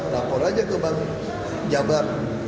lapor aja ke bank jabar